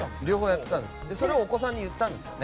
それをお子さんに言ったんですよね。